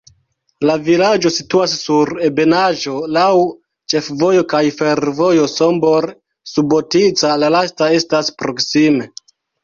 La vilaĝo situas sur ebenaĵo, laŭ ĉefvojo kaj fervojo Sombor-Subotica, la lasta estas proksime.